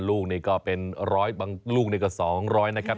ลูกนี่ก็เป็นร้อยบางลูกนี่ก็๒๐๐นะครับ